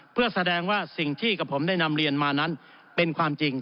เพื่อแสดงว่าสิ่งที่กับผมได้นำเรียนมานั้นเป็นความจริง